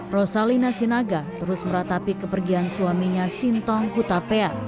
rosalina sinaga terus meratapi kepergian suaminya sintong hutapea